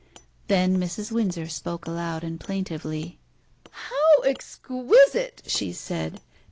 Then Mrs. Windsor spoke aloud and plaintively "How exquisite!" she said.